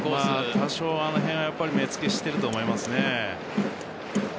多少あの辺は目付けしていると思います。